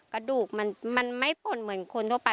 กระดูกมันไม่ป่นเหมือนคนทั่วไป